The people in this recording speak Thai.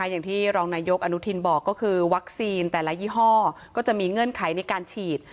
อย่างที่รองนายกอนุทินบอกก็คือวัคซีนแต่ละยี่ห้อก็จะมีเงื่อนไขในการฉีด